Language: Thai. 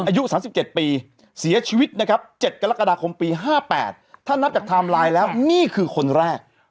อายุ๓๗ปีเสียชีวิตนะครับ๗กรกฎาคมปี๕๘ถ้านับจากไทม์ไลน์แล้วนี่คือคนแรก